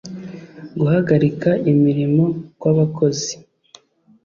guhagarika imirimo kw abakozi